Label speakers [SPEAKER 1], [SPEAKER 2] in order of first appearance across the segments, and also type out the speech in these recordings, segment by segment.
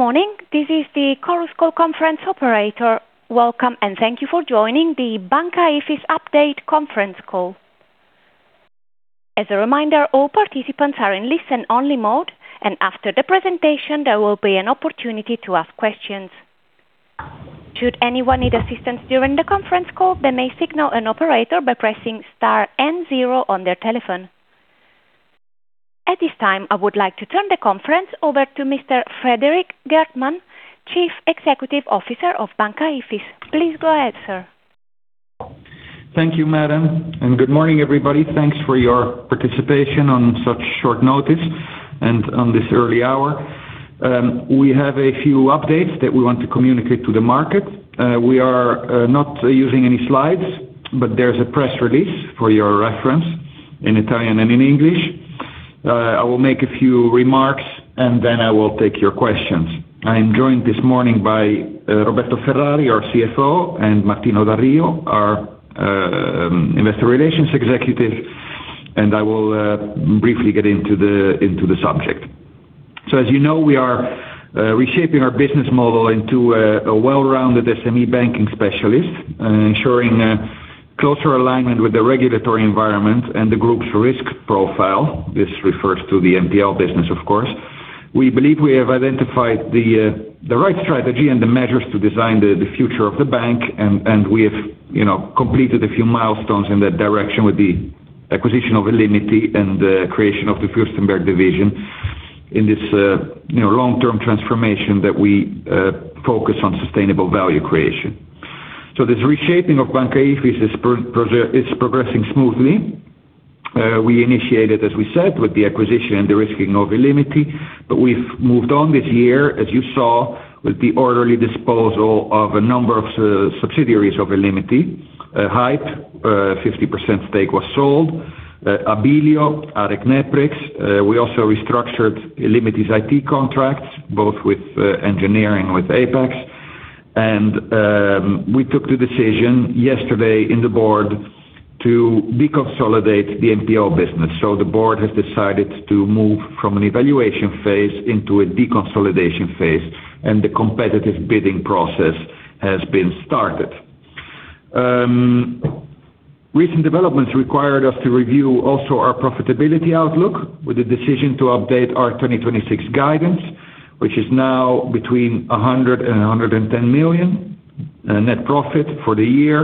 [SPEAKER 1] Good morning. This is the Chorus Call Conference operator. Welcome, and thank you for joining the Banca IFIS update conference call. As a reminder, all participants are in listen-only mode, and after the presentation, there will be an opportunity to ask questions. Should anyone need assistance during the conference call, they may signal an operator by pressing star and zero on their telephone. At this time, I would like to turn the conference over to Mr. Frederik Geertman, Chief Executive Officer of Banca IFIS. Please go ahead, sir.
[SPEAKER 2] Thank you, madam. Good morning, everybody. Thanks for your participation on such short notice and on this early hour. We have a few updates that we want to communicate to the market. We are not using any slides, but there is a press release for your reference in Italian and in English. I will make a few remarks and then I will take your questions. I am joined this morning by Roberto Ferrari, our CFO, and Martino Da Rio, our Investor Relations Executive, and I will briefly get into the subject. As you know, we are reshaping our business model into a well-rounded SME banking specialist, ensuring a closer alignment with the regulatory environment and the group's risk profile. This refers to the NPL business, of course. We believe we have identified the right strategy and the measures to design the future of the bank. We have completed a few milestones in that direction with the acquisition of illimity and the creation of the Fürstenberg division in this long-term transformation that we focus on sustainable value creation. This reshaping of Banca IFIS is progressing smoothly. We initiated, as we said, with the acquisition and de-risking of illimity, but we have moved on this year, as you saw, with the orderly disposal of a number of subsidiaries of illimity. Hype, 50% stake was sold. Abilio, ARECneprix. We also restructured illimity's IT contracts, both with Engineering with Apex. The board has decided yesterday in the board to deconsolidate the NPL business. The board has decided to move from an evaluation phase into a deconsolidation phase, and the competitive bidding process has been started. Recent developments required us to review also our profitability outlook with a decision to update our 2026 guidance, which is now between 100 million and 110 million net profit for the year,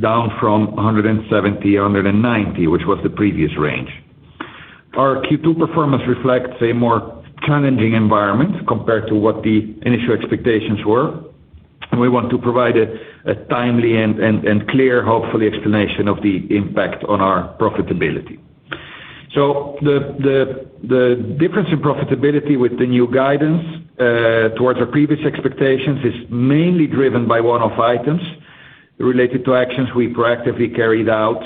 [SPEAKER 2] down from 170 million, 190 million, which was the previous range. Our Q2 performance reflects a more challenging environment compared to what the initial expectations were. We want to provide a timely and clear, hopefully, explanation of the impact on our profitability. The difference in profitability with the new guidance towards our previous expectations is mainly driven by one-off items related to actions we proactively carried out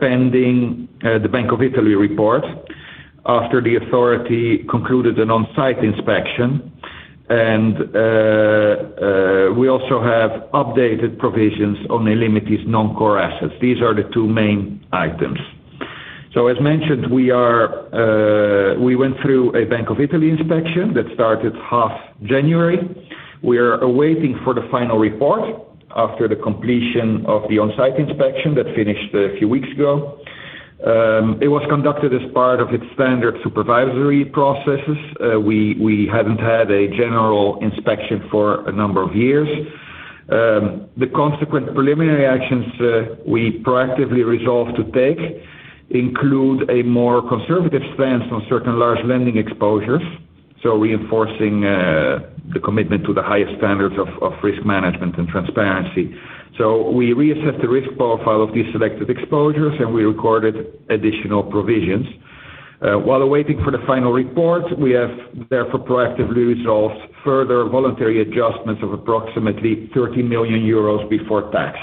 [SPEAKER 2] pending the Bank of Italy report after the authority concluded an on-site inspection. We also have updated provisions on illimity's non-core assets. These are the two main items. As mentioned, we went through a Bank of Italy inspection that started half January. We are waiting for the final report after the completion of the on-site inspection that finished a few weeks ago. It was conducted as part of its standard supervisory processes. We hadn't had a general inspection for a number of years. The consequent preliminary actions we proactively resolved to take include a more conservative stance on certain large lending exposures, reinforcing the commitment to the highest standards of risk management and transparency. We reassessed the risk profile of these selected exposures, and we recorded additional provisions. While waiting for the final report, we have therefore proactively resolved further voluntary adjustments of approximately 30 million euros before tax.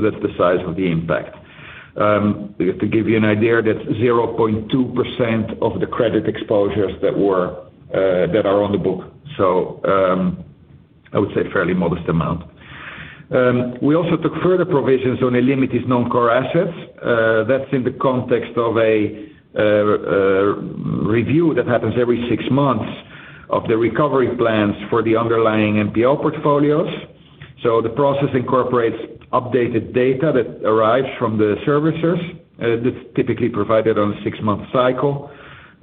[SPEAKER 2] That's the size of the impact. To give you an idea, that's 0.2% of the credit exposures that are on the book. I would say fairly modest amount. We also took further provisions on illimity's non-core assets. That's in the context of a review that happens every six months of the recovery plans for the underlying NPL portfolios. The process incorporates updated data that arrives from the servicers. That's typically provided on a six-month cycle.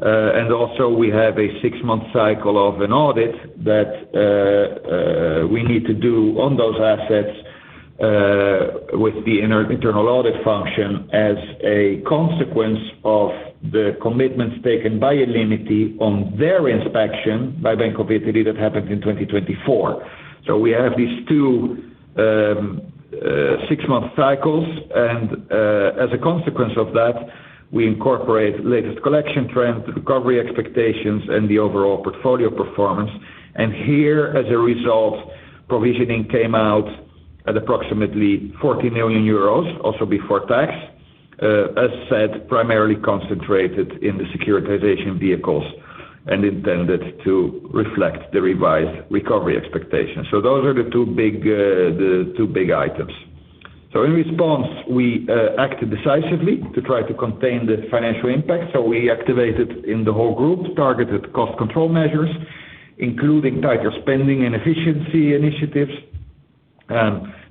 [SPEAKER 2] Also we have a six-month cycle of an audit that we need to do on those assets with the internal audit function as a consequence of the commitments taken by illimity on their inspection by Bank of Italy that happened in 2024. We have these two six-month cycles, as a consequence of that, we incorporate latest collection trends, recovery expectations, and the overall portfolio performance. Here, as a result, provisioning came out at approximately 40 million euros, also before tax, as said, primarily concentrated in the securitization vehicles and intended to reflect the revised recovery expectations. Those are the two big items. In response, we acted decisively to try to contain the financial impact. We activated in the whole group targeted cost control measures, including tighter spending and efficiency initiatives.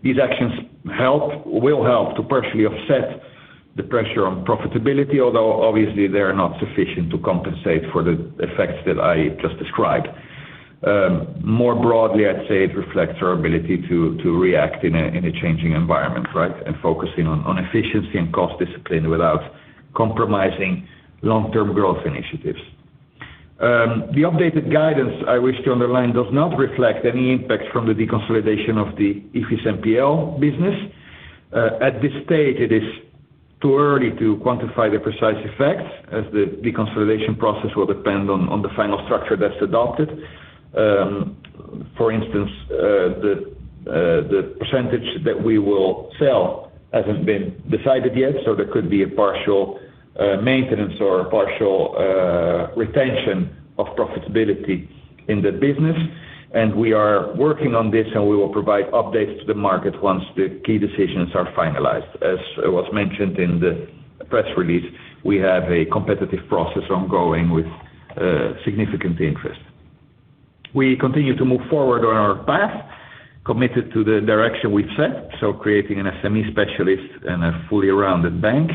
[SPEAKER 2] These actions will help to partially offset the pressure on profitability, although obviously they are not sufficient to compensate for the effects that I just described. More broadly, I'd say it reflects our ability to react in a changing environment, right? Focusing on efficiency and cost discipline without compromising long-term growth initiatives. The updated guidance, I wish to underline, does not reflect any impact from the deconsolidation of the Ifis NPL business. At this stage, it is too early to quantify the precise effects, as the deconsolidation process will depend on the final structure that's adopted. For instance, the percentage that we will sell hasn't been decided yet, there could be a partial maintenance or a partial retention of profitability in that business. We are working on this, and we will provide updates to the market once the key decisions are finalized. As was mentioned in the press release, we have a competitive process ongoing with significant interest. We continue to move forward on our path, committed to the direction we've set. Creating an SME specialist and a fully rounded bank.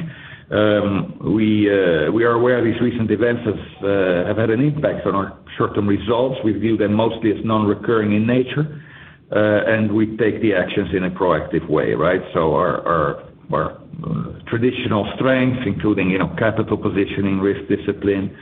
[SPEAKER 2] We are aware these recent events have had an impact on our short-term results. We view them mostly as non-recurring in nature. We take the actions in a proactive way, right? Our traditional strengths, including capital positioning, risk discipline,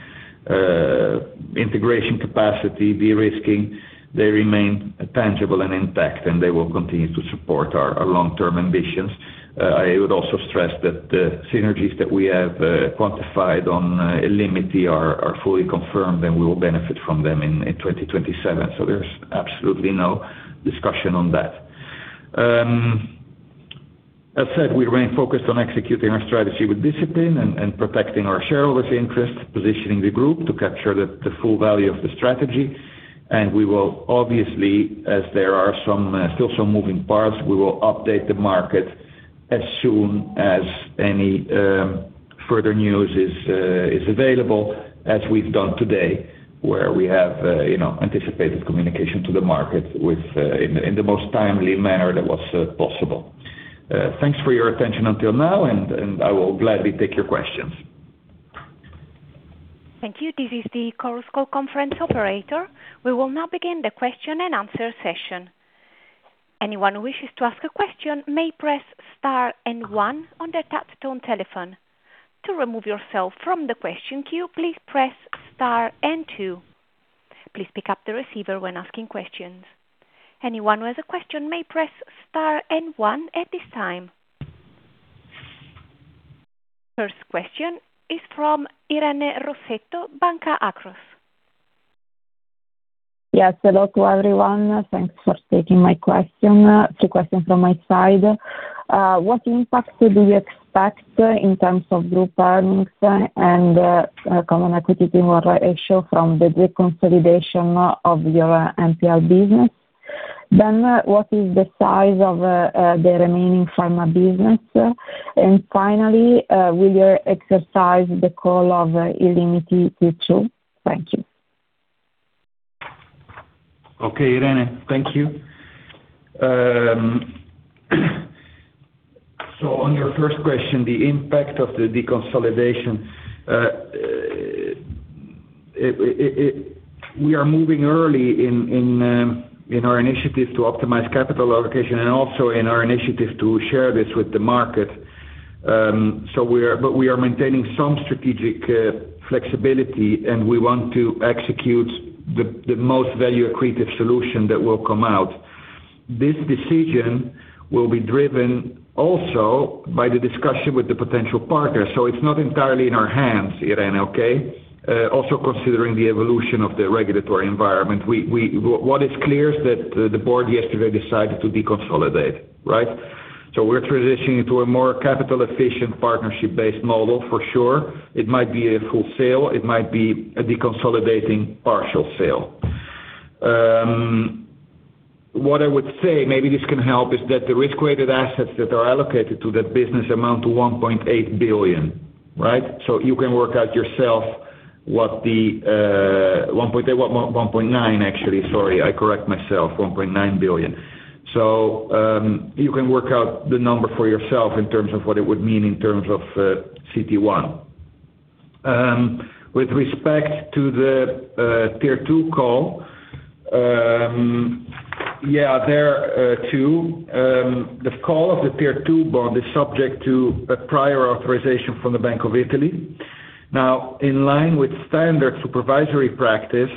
[SPEAKER 2] integration capacity, de-risking, they remain tangible and intact, and they will continue to support our long-term ambitions. I would also stress that the synergies that we have quantified on illimity are fully confirmed, and we will benefit from them in 2027. There's absolutely no discussion on that. As said, we remain focused on executing our strategy with discipline and protecting our shareholders' interests, positioning the group to capture the full value of the strategy. We will obviously, as there are still some moving parts, we will update the market as soon as any further news is available, as we've done today, where we have anticipated communication to the market in the most timely manner that was possible. Thanks for your attention until now, and I will gladly take your questions.
[SPEAKER 1] Thank you. This is the Chorus Call conference operator. We will now begin the question and answer session. Anyone who wishes to ask a question may press star and one on their touch-tone telephone. To remove yourself from the question queue, please press star and two. Please pick up the receiver when asking questions. Anyone who has a question may press star and one at this time. First question is from Irene Rossetto, Banca Akros.
[SPEAKER 3] Yes. Hello to everyone. Thanks for taking my question. Two questions from my side. What impact do you expect in terms of group earnings and common equity to more ratio from the deconsolidation of your NPL business? What is the size of the remaining pharma business? Finally, will you exercise the call of illimity Tier 2? Thank you.
[SPEAKER 2] Okay, Irene. Thank you. On your first question, the impact of the deconsolidation. We are moving early in our initiative to optimize capital allocation and also in our initiative to share this with the market. We are maintaining some strategic flexibility, and we want to execute the most value accretive solution that will come out. This decision will be driven also by the discussion with the potential partner. It's not entirely in our hands, Irene, okay? Also considering the evolution of the regulatory environment. What is clear is that the board yesterday decided to deconsolidate, right? We're transitioning to a more capital efficient, partnership-based model for sure. It might be a full sale, it might be a deconsolidating partial sale. What I would say, maybe this can help, is that the risk-weighted assets that are allocated to that business amount to 1.8 billion, right? You can work out yourself 1.9 billion, actually. Sorry, I correct myself, 1.9 billion. You can work out the number for yourself in terms of what it would mean in terms of CET1. With respect to the Tier 2 call. Yeah. There, too. The call of the Tier 2 bond is subject to a prior authorization from the Bank of Italy. In line with standard supervisory practice,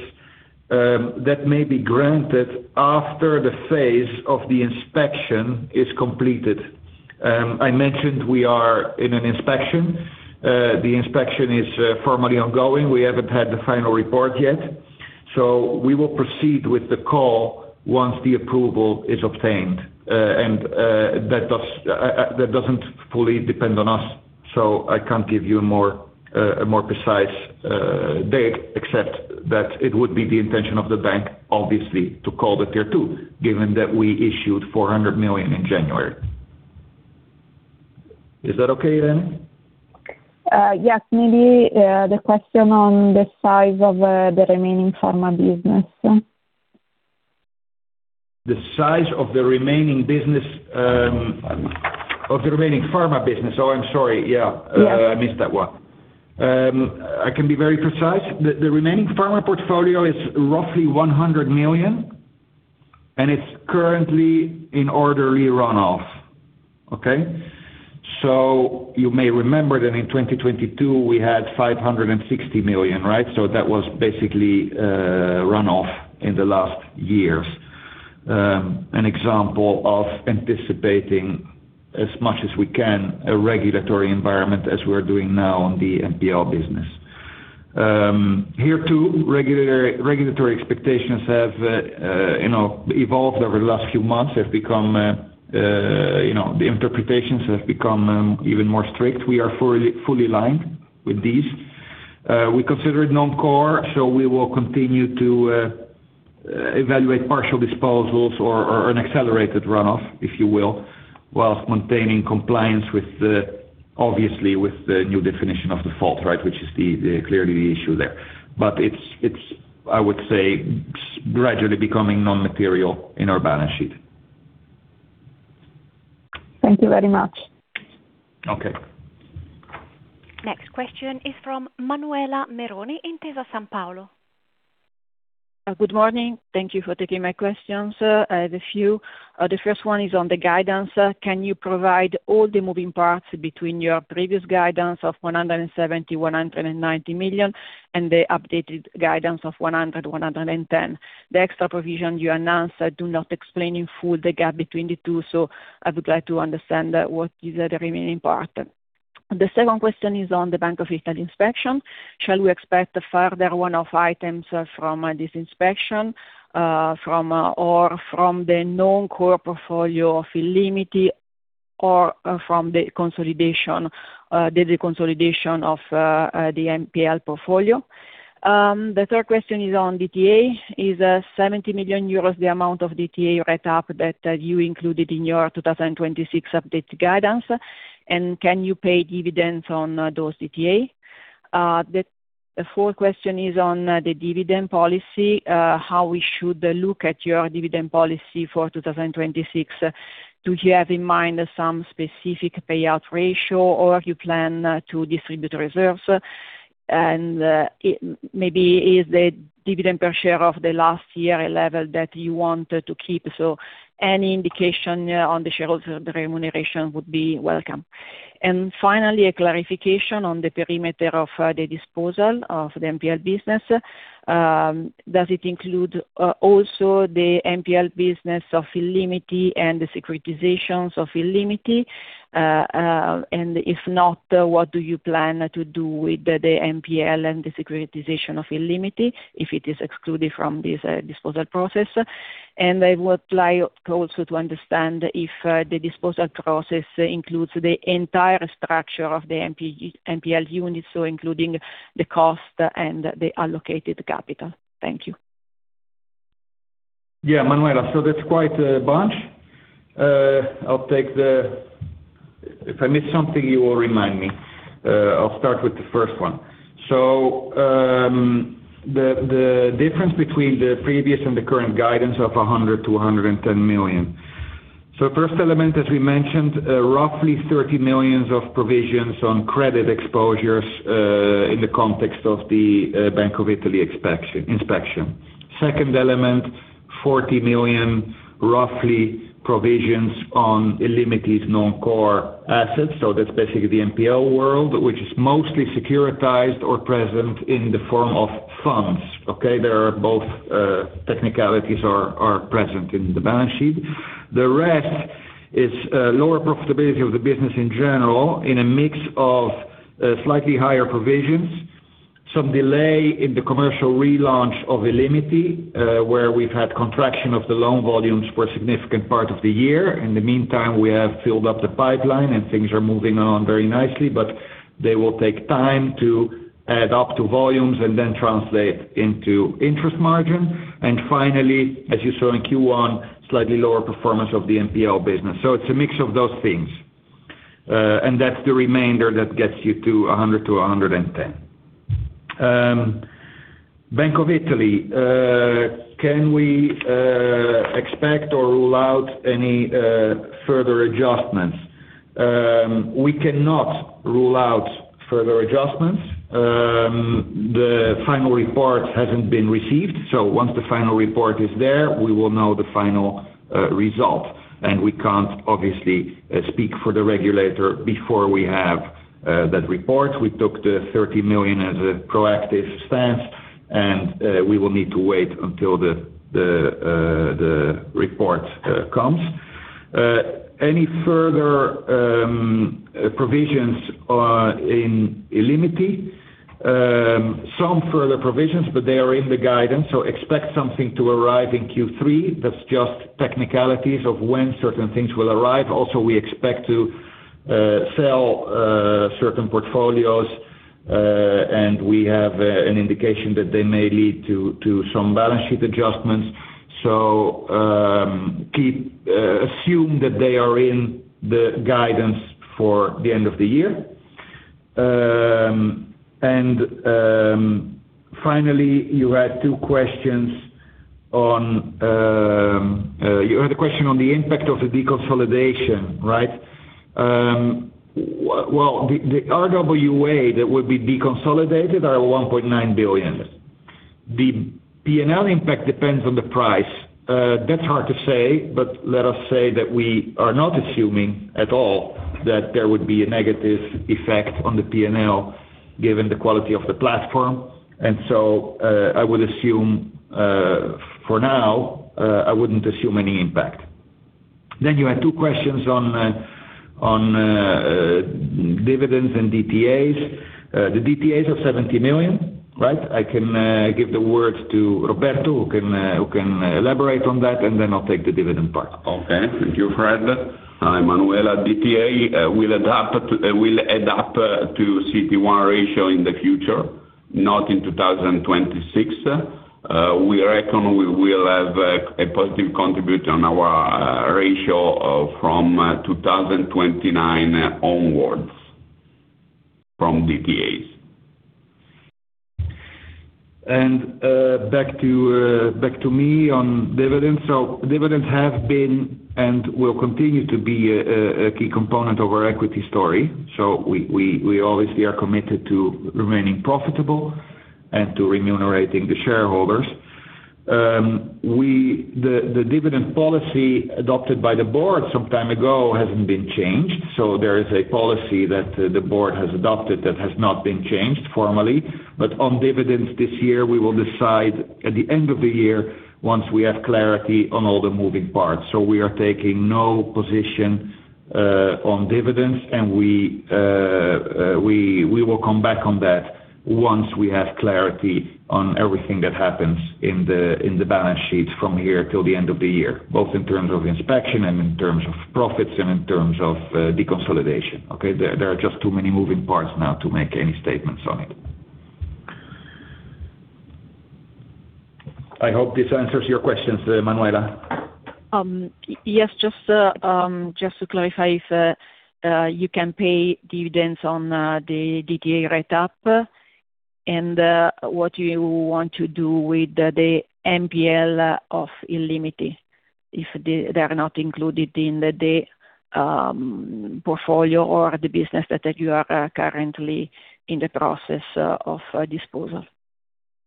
[SPEAKER 2] that may be granted after the phase of the inspection is completed. I mentioned we are in an inspection. The inspection is formally ongoing. We haven't had the final report yet. We will proceed with the call once the approval is obtained. That doesn't fully depend on us. I can't give you a more precise date, except that it would be the intention of the bank, obviously, to call the Tier 2, given that we issued 400 million in January. Is that okay then?
[SPEAKER 3] Yes. Maybe the question on the size of the remaining pharma business.
[SPEAKER 2] The size of the remaining pharma business. I'm sorry. Yeah.
[SPEAKER 3] Yes.
[SPEAKER 2] I missed that one. I can be very precise. The remaining pharma portfolio is roughly 100 million, and it's currently in orderly runoff. Okay? You may remember that in 2022, we had 560 million. Right? That was basically runoff in the last years. An example of anticipating as much as we can a regulatory environment as we're doing now on the NPL business. Here, too, regulatory expectations have evolved over the last few months. The interpretations have become even more strict. We are fully aligned with these. We consider it non-core, so we will continue to evaluate partial disposals or an accelerated runoff, if you will, whilst maintaining compliance, obviously, with the New Definition of Default, which is clearly the issue there. It's, I would say, gradually becoming non-material in our balance sheet.
[SPEAKER 3] Thank you very much.
[SPEAKER 2] Okay.
[SPEAKER 1] Next question is from Manuela Meroni, Intesa Sanpaolo.
[SPEAKER 4] Good morning. Thank you for taking my questions. I have a few. The first one is on the guidance. Can you provide all the moving parts between your previous guidance of 170 million-190 million and the updated guidance of 100 million-110 million? The extra provision you announced do not explain in full the gap between the two, I would like to understand what is the remaining part. The second question is on the Bank of Italy inspection. Shall we expect further one-off items from this inspection, or from the non-core portfolio of illimity, or from the consolidation of the NPL portfolio? The third question is on DTA. Is 70 million euros the amount of DTA write-up that you included in your 2026 updated guidance? Can you pay dividends on those DTA? The fourth question is on the dividend policy. How we should look at your dividend policy for 2026. Is the dividend per share of the last year a level that you want to keep? Any indication on the shareholder remuneration would be welcome. Finally, a clarification on the perimeter of the disposal of the NPL business. Does it include also the NPL business of illimity and the securitizations of illimity? If not, what do you plan to do with the NPL and the securitization of illimity if it is excluded from this disposal process? I would like also to understand if the disposal process includes the entire structure of the NPL unit, including the cost and the allocated capital. Thank you.
[SPEAKER 2] Manuela. That's quite a bunch. If I miss something, you will remind me. I'll start with the first one. The difference between the previous and the current guidance of 100 million to 110 million. First element, as we mentioned, roughly 30 million of provisions on credit exposures, in the context of the Bank of Italy inspection. Second element, 40 million, roughly, provisions on illimity's non-core assets. That's basically the NPL world, which is mostly securitized or present in the form of funds. Okay? Both technicalities are present in the balance sheet. The rest is lower profitability of the business in general in a mix of slightly higher provisions, some delay in the commercial relaunch of illimity, where we've had contraction of the loan volumes for a significant part of the year. In the meantime, we have filled up the pipeline and things are moving on very nicely, but they will take time to add up to volumes and then translate into interest margin. Finally, as you saw in Q1, slightly lower performance of the NPL business. It's a mix of those things. That's the remainder that gets you to 100 million to 110 million. Bank of Italy. Can we expect or rule out any further adjustments? We cannot rule out further adjustments. The final report hasn't been received, so once the final report is there, we will know the final result, and we can't obviously speak for the regulator before we have that report. We took the 30 million as a proactive stance, and we will need to wait until the report comes. Any further provisions in illimity? Some further provisions, but they are in the guidance. Expect something to arrive in Q3. That's just technicalities of when certain things will arrive. Also, we expect to sell certain portfolios. We have an indication that they may lead to some balance sheet adjustments. Assume that they are in the guidance for the end of the year. Finally, you had a question on the impact of the deconsolidation, right? The RWA that would be deconsolidated are 1.9 billion. The P&L impact depends on the price. That's hard to say, but let us say that we are not assuming at all that there would be a negative effect on the P&L given the quality of the platform. I would assume for now, I wouldn't assume any impact. You had two questions on dividends and DTAs. The DTAs are 70 million, right? I can give the word to Roberto, who can elaborate on that, and then I'll take the dividend part.
[SPEAKER 5] Okay, thank you, Fred. Manuela. DTA will adapt to CET1 ratio in the future, not in 2026. We reckon we will have a positive contribute on our ratio from 2029 onwards from DTAs.
[SPEAKER 2] Back to me on dividends. Dividends have been and will continue to be a key component of our equity story. We obviously are committed to remaining profitable and to remunerating the shareholders. The dividend policy adopted by the board some time ago hasn't been changed. There is a policy that the board has adopted that has not been changed formally. On dividends this year, we will decide at the end of the year once we have clarity on all the moving parts. We are taking no position on dividends, and we will come back on that once we have clarity on everything that happens in the balance sheet from here till the end of the year, both in terms of inspection and in terms of profits and in terms of deconsolidation. Okay? There are just too many moving parts now to make any statements on it. I hope this answers your questions, Manuela.
[SPEAKER 4] Yes, just to clarify if you can pay dividends on the DTA rate up and what you want to do with the NPL of illimity, if they are not included in the portfolio or the business that you are currently in the process of disposal.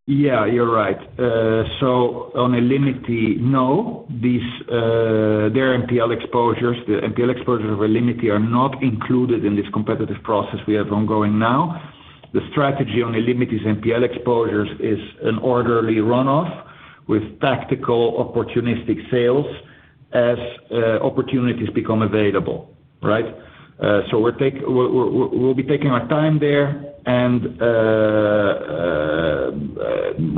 [SPEAKER 2] You're right. On illimity, no. Their NPL exposures, the NPL exposures of illimity are not included in this competitive process we have ongoing now. The strategy on illimity NPL exposures is an orderly runoff with tactical opportunistic sales as opportunities become available. Right? We'll be taking our time there, and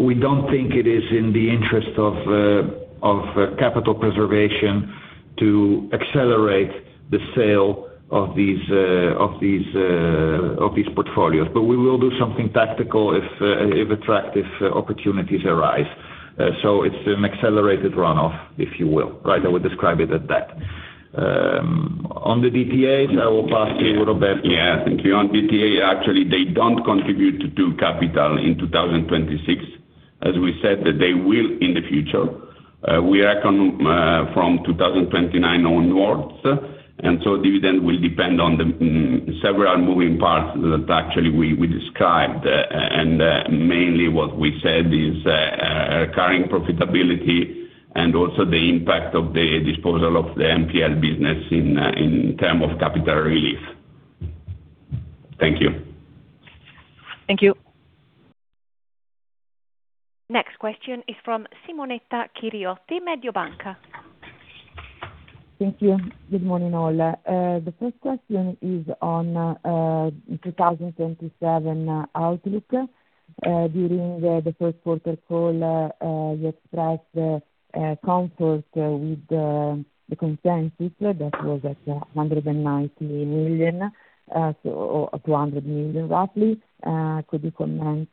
[SPEAKER 2] we don't think it is in the interest of capital preservation to accelerate the sale of these portfolios. We will do something tactical if attractive opportunities arise. It's an accelerated runoff, if you will, right? I would describe it as that. On the DTAs, I will pass to Roberto.
[SPEAKER 5] Thank you. On DTA, actually, they don't contribute to Tier 2 capital in 2026. As we said that they will in the future. We reckon from 2029 onwards, dividend will depend on the several moving parts that actually we described, and mainly what we said is recurring profitability and also the impact of the disposal of the NPL business in term of capital relief. Thank you.
[SPEAKER 4] Thank you.
[SPEAKER 1] Next question is from Simonetta Chiriotti, Mediobanca.
[SPEAKER 6] Thank you. Good morning, all. The first question is on 2027 outlook. During the first quarter call, you expressed comfort with the consensus that was at 190 million-200 million, roughly. Could you comment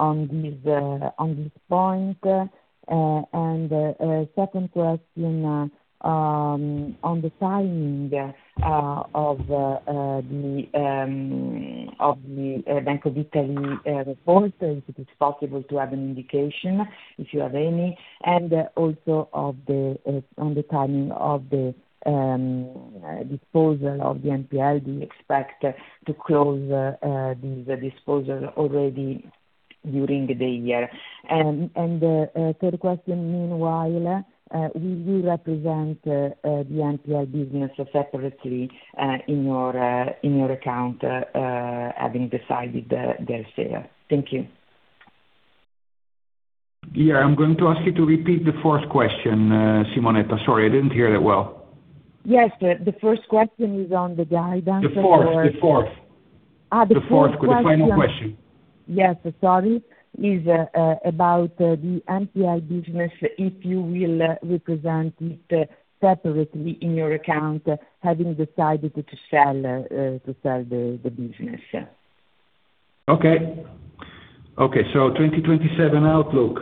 [SPEAKER 6] on this point? Second question, on the timing of the Bank of Italy report, if it is possible to have an indication, if you have any, also on the timing of the disposal of the NPL. Do you expect to close this disposal already during the year? Third question, meanwhile, will you represent the NPL business separately in your account having decided their sale? Thank you.
[SPEAKER 2] Yeah. I'm going to ask you to repeat the fourth question, Simonetta. Sorry, I didn't hear that well.
[SPEAKER 6] Yes. The first question is on the guidance.
[SPEAKER 2] The fourth.
[SPEAKER 6] The fourth question. Yes, sorry. It's about the NPL business, if you will represent it separately in your account, having decided to sell the business.
[SPEAKER 2] 2027 outlook.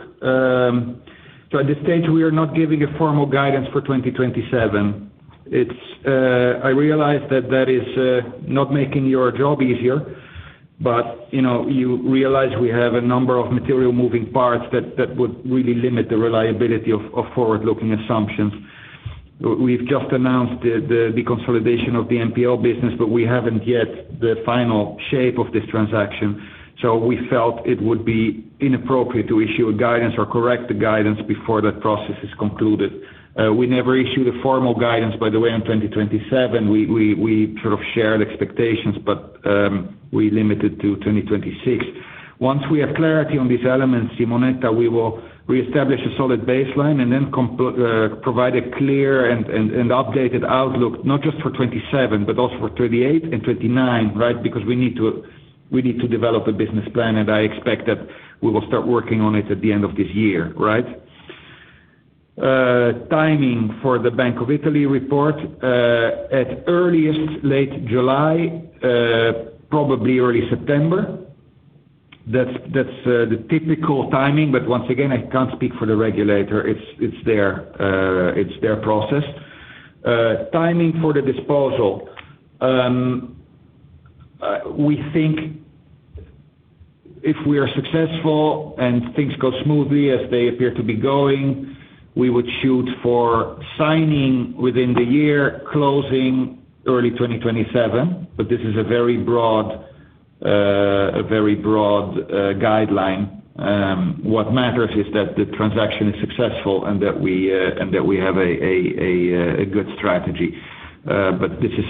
[SPEAKER 2] At this stage, we are not giving a formal guidance for 2027. I realize that is not making your job easier, but you realize we have a number of material moving parts that would really limit the reliability of forward-looking assumptions. We've just announced the consolidation of the NPL business, but we haven't yet the final shape of this transaction. We felt it would be inappropriate to issue a guidance or correct the guidance before that process is concluded. We never issued a formal guidance, by the way, in 2027. We sort of shared expectations, but we limited to 2026. Once we have clarity on these elements, Simonetta, we will reestablish a solid baseline and then provide a clear and updated outlook, not just for 2027, but also for 2028 and 2029. We need to develop a business plan, and I expect that we will start working on it at the end of this year. Timing for the Bank of Italy report, at earliest, late July, probably early September. That's the typical timing, but once again, I can't speak for the regulator. It's their process. Timing for the disposal. We think if we are successful and things go smoothly as they appear to be going, we would shoot for signing within the year, closing early 2027, but this is a very broad guideline. What matters is that the transaction is successful and that we have a good strategy. This is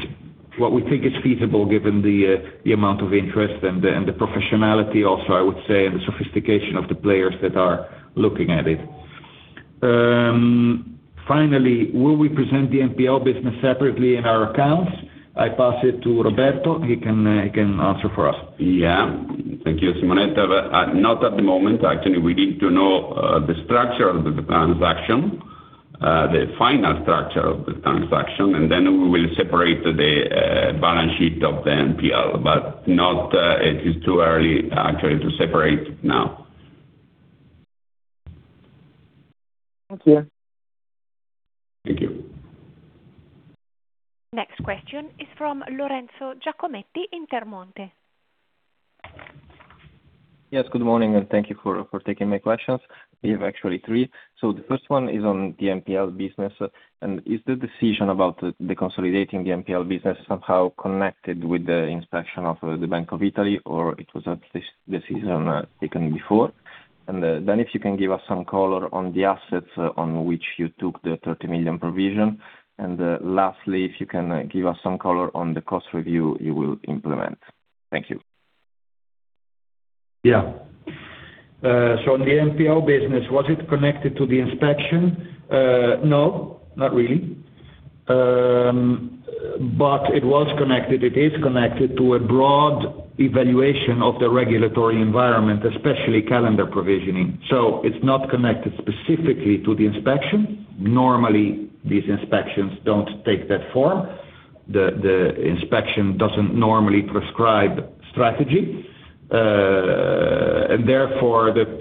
[SPEAKER 2] what we think is feasible given the amount of interest and the professionality also, I would say, and the sophistication of the players that are looking at it. Finally, will we present the NPL business separately in our accounts? I pass it to Roberto. He can answer for us.
[SPEAKER 5] Thank you, Simonetta. Not at the moment. Actually, we need to know the structure of the transaction, the final structure of the transaction, and then we will separate the balance sheet of the NPL. It is too early, actually, to separate now.
[SPEAKER 6] Thank you.
[SPEAKER 5] Thank you.
[SPEAKER 1] Next question is from Lorenzo Giacometti, Intermonte.
[SPEAKER 7] Yes, good morning, and thank you for taking my questions. We have actually three. The first one is on the NPL business, and is the decision about the consolidating the NPL business somehow connected with the inspection of the Bank of Italy, or it was a decision taken before? If you can give us some color on the assets on which you took the 30 million provision. Lastly, if you can give us some color on the cost review you will implement. Thank you.
[SPEAKER 2] On the NPL business, was it connected to the inspection? No, not really. It was connected, it is connected to a broad evaluation of the regulatory environment, especially calendar provisioning. It's not connected specifically to the inspection. Normally, these inspections don't take that form. The inspection doesn't normally prescribe strategy. The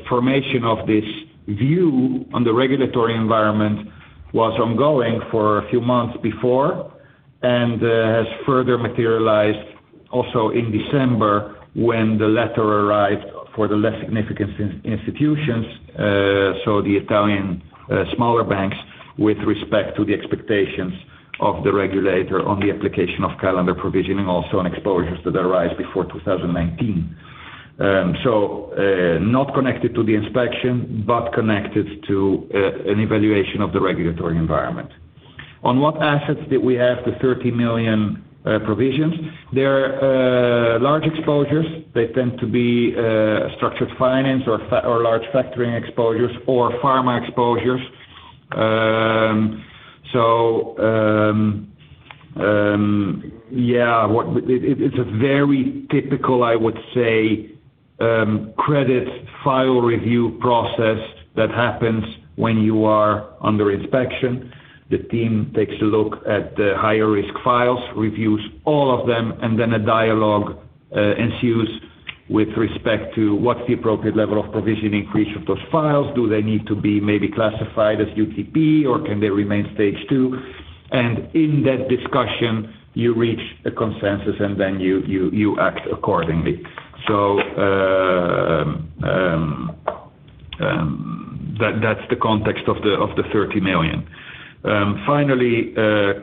[SPEAKER 2] formation of this view on the regulatory environment was ongoing for a few months before and has further materialized also in December when the letter arrived for the less significant institutions, the Italian smaller banks, with respect to the expectations of the regulator on the application of calendar provisioning also on exposures that arise before 2019. Not connected to the inspection but connected to an evaluation of the regulatory environment. On what assets did we have the 30 million provisions? They are large exposures. They tend to be structured finance or large factoring exposures or pharma exposures. It's a very typical, I would say, credit file review process that happens when you are under inspection. The team takes a look at the higher risk files, reviews all of them, and then a dialogue ensues with respect to what's the appropriate level of provisioning for each of those files. Do they need to be maybe classified as UTP, or can they remain stage two? In that discussion, you reach a consensus and then you act accordingly. That's the context of the 30 million. Finally,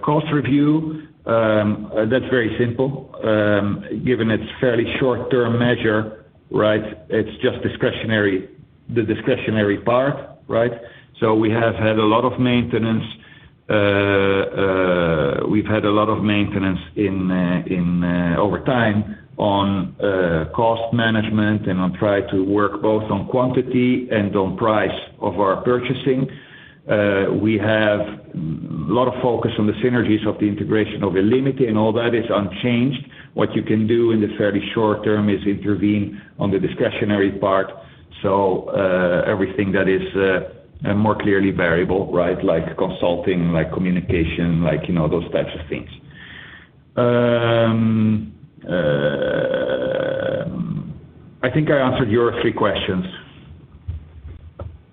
[SPEAKER 2] cost review. That's very simple. Given it's fairly short-term measure, it's just the discretionary part. We've had a lot of maintenance over time on cost management and on trying to work both on quantity and on price of our purchasing. We have a lot of focus on the synergies of the integration of illimity, and all that is unchanged. What you can do in the fairly short term is intervene on the discretionary part. Everything that is more clearly variable. Like consulting, like communication, those types of things. I think I answered your three questions.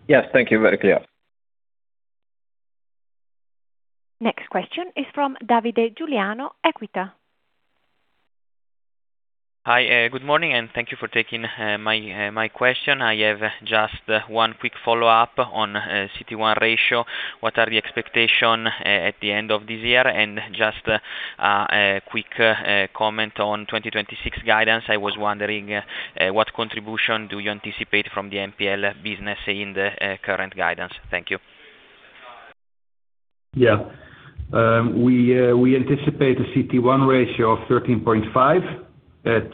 [SPEAKER 7] Yes, thank you. Very clear.
[SPEAKER 1] Next question is from Davide Giuliano, Equita.
[SPEAKER 8] Hi. Good morning, thank you for taking my question. I have just one quick follow-up on CET1 ratio. What are the expectation at the end of this year? Just a quick comment on 2026 guidance. I was wondering, what contribution do you anticipate from the NPL business in the current guidance? Thank you.
[SPEAKER 2] We anticipate a CET1 ratio of 13.5 at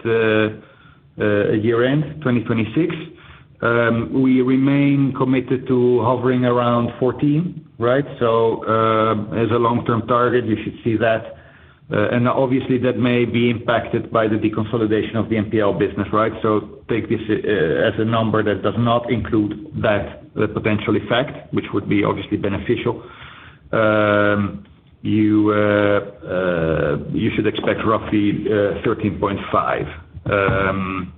[SPEAKER 2] year-end 2026. We remain committed to hovering around 14. As a long-term target, you should see that. Obviously that may be impacted by the deconsolidation of the NPL business. Take this as a number that does not include that potential effect, which would be obviously beneficial. You should expect roughly 13.5.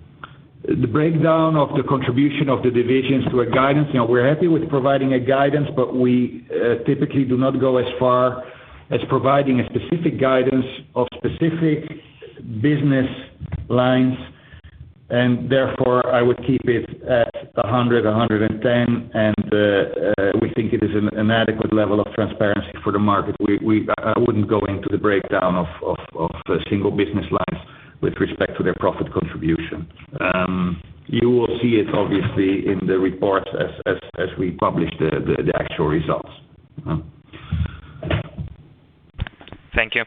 [SPEAKER 2] The breakdown of the contribution of the divisions to a guidance, we're happy with providing a guidance, but we typically do not go as far as providing a specific guidance of specific business lines, therefore I would keep it at 100, 110, and we think it is an adequate level of transparency for the market. I wouldn't go into the breakdown of single business lines with respect to their profit contribution. You will see it obviously in the report as we publish the actual results.
[SPEAKER 8] Thank you.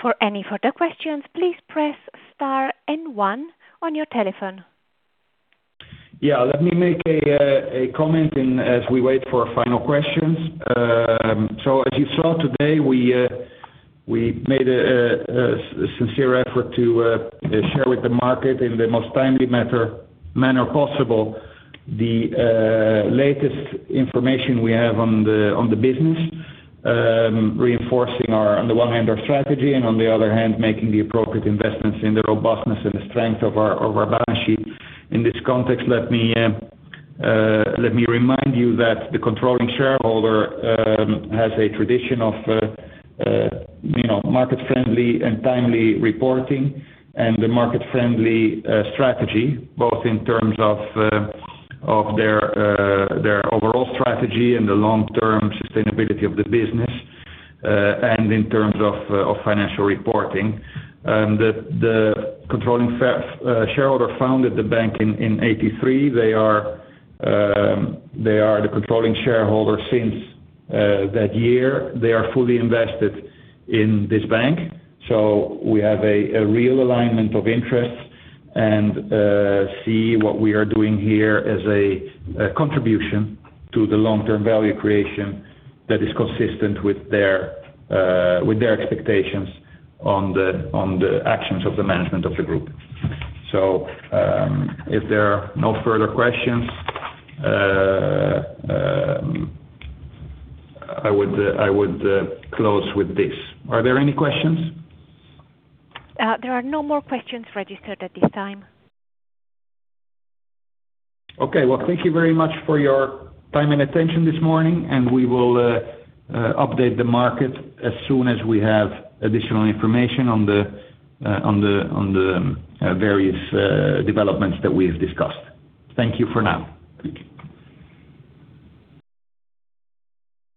[SPEAKER 1] For any further questions, please press star and one on your telephone.
[SPEAKER 2] Let me make a comment in as we wait for our final questions. As you saw today, we made a sincere effort to share with the market in the most timely manner possible the latest information we have on the business, reinforcing on the one hand, our strategy, and on the other hand, making the appropriate investments in the robustness and the strength of our balance sheet. In this context, let me remind you that the controlling shareholder has a tradition of market-friendly and timely reporting and the market-friendly strategy, both in terms of their overall strategy and the long-term sustainability of the business, and in terms of financial reporting. The controlling shareholder founded the bank in 1983. They are the controlling shareholder since that year. They are fully invested in this bank. We have a real alignment of interest and see what we are doing here as a contribution to the long-term value creation that is consistent with their expectations on the actions of the management of the group. If there are no further questions, I would close with this. Are there any questions?
[SPEAKER 1] There are no more questions registered at this time.
[SPEAKER 2] Okay. Well, thank you very much for your time and attention this morning, and we will update the market as soon as we have additional information on the various developments that we have discussed. Thank you for now.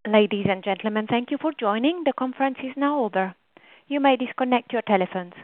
[SPEAKER 1] Ladies and gentlemen, thank you for joining. The conference is now over. You may disconnect your telephones.